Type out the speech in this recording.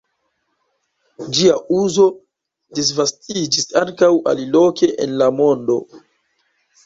Ĝia uzo disvastiĝis ankaŭ aliloke en la mondo.